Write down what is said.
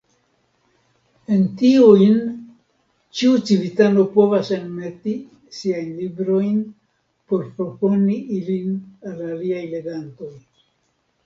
En tiujn ĉiu civitano povas enmeti siajn librojn por proponi ilin al aliaj legantoj.